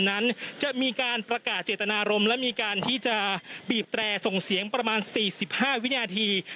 นั้นจะมีการประกาศเจตนารมน์และมีการที่จะบีบแทรก์ส่งเสียงประมาณสี่สิบห้าวิญญาณที